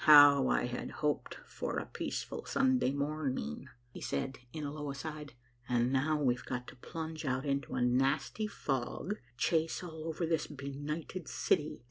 "How I had hoped for a peaceful Sunday morning," he said, in a low aside, "and now we've got to plunge out into a nasty fog, and chase all over this benighted city.